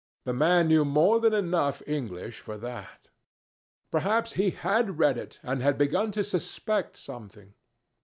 The man knew more than enough English for that. Perhaps he had read it and had begun to suspect something.